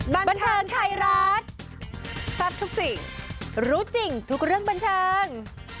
บันเทิงไทยรัฐทรัพย์ทุกสิ่งรู้จริงทุกเรื่องบันเทิง